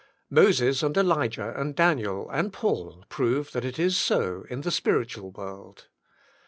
Moses and Elijah and Daniel and Paul prove that it is so in the spiritual world.